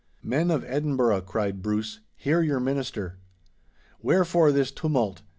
'Men of Edinburgh,' cried Bruce, 'hear your minister. Wherefore this tumult?